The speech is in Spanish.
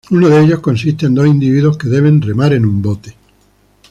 Uno de ellos consiste en dos individuos que deben remar en un bote.